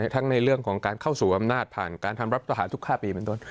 ทั้งในเรื่องของการเข้าสู่อำนาจผ่านการทำรับตัวหาทุกข้าวปี